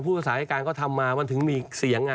ภาษาอธิการก็ทำมามันถึงมีเสียง